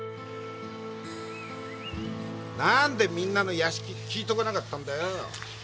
何でみんなの屋敷聞いとかなかったんだよ。